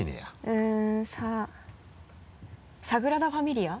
うん「サ」「サグラダファミリア」？